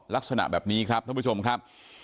ลักษณะแบบนี้ครับท่านผู้ชมครับ